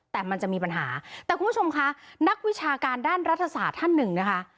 แต่มันจะมีปัญหาแต่คุณผู้ชมคะนักวิชาการด้านรัฐศาสตร์ท่านหนึ่งนะคะ